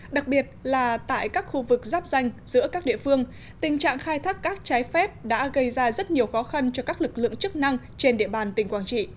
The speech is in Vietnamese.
đặc biệt là tại các khu vực giáp danh giữa các địa phương tình trạng khai thác cát trái phép đã gây ra rất nhiều khó khăn cho các lực lượng chức năng trên địa bàn tỉnh quảng trị